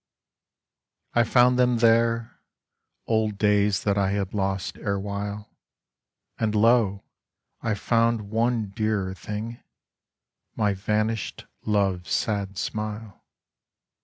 I found them there — old days That I had lost erewhile; And lo 1 I found one dearer thing — My vanished Love's sad smile.